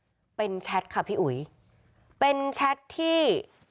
ให้ด้วยนะเป็นแชตค่ะพี่อุโยเป็นแชตที่